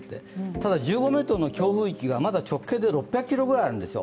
ただ１５ｍの強風域がまだ直径で６００ｋｍぐらいあるんですよ。